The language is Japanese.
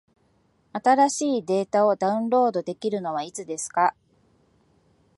新しいデータをダウンロードできるのはいつですか？